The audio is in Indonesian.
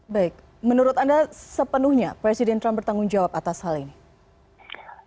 baik menurut anda sepenuhnya presiden trump bertanggung jawab atas hal ini